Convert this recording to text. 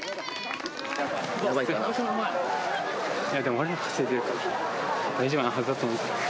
お前がタイム稼いでるから、大丈夫なはずだと思う。